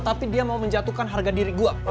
tapi dia mau menjatuhkan harga diri gue